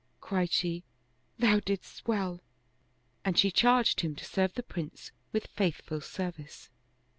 Cried she, "Thou didst well "; and she charged him to serve the Prince with faith ful service.